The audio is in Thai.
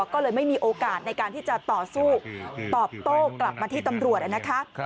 ก็เลยไม่มีโอกาสในการที่จะต่อสู้ตอบโต้กลับมาที่ตำรวจนะคะ